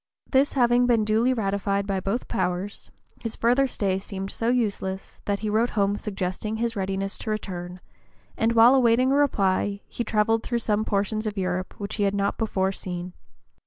This having been duly ratified by both the powers, his further stay seemed so useless that he wrote home suggesting his readiness to return; and while awaiting a reply he travelled through some portions of Europe which he had not before seen.